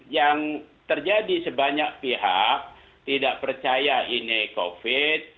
yang terjadi sebanyak pihak tidak percaya ini covid